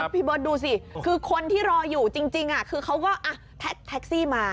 พี่เบิร์ตดูสิคือคนที่รออยู่จริงคือเขาก็แท็กซี่มา